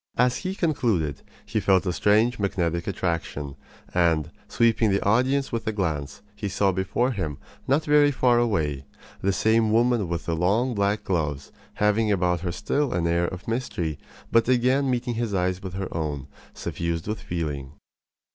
As he concluded he felt a strange magnetic attraction; and, sweeping the audience with a glance, he saw before him, not very far away, the same woman with the long black gloves, having about her still an air of mystery, but again meeting his eyes with her own, suffused with feeling.